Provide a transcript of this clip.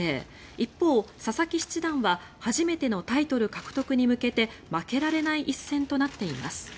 一方、佐々木七段は初めてのタイトル獲得に向けて負けられない一戦となっています。